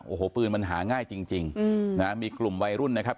โอ้โหปืนมันหาง่ายจริงนะมีกลุ่มวัยรุ่นนะครับ